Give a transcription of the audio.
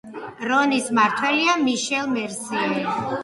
რონის მმართველია მიშელ მერსიე.